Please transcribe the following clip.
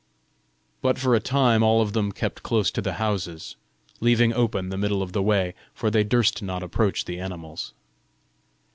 But for a time all of them kept close to the houses, leaving open the middle of the way, for they durst not approach the animals.